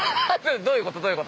どういうこと？